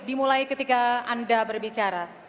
dimulai ketika anda berbicara